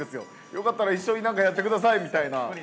よかったら一緒になんかやってくださいみたいな。